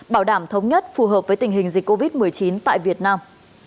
bảo đảm thống nhất phù hợp với tình hình dịch covid một mươi chín tại việt nam